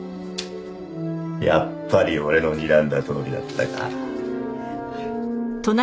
やっぱり俺のにらんだとおりだったか。